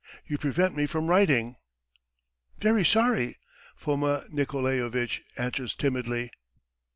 You prevent me from writing!" "Very sorry. ..." Foma Nikolaevitch answers timidly.